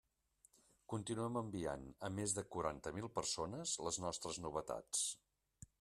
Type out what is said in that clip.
Continuem enviant a més de quaranta mil persones les nostres novetats.